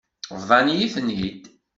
Bḍan-iyi-ten-id.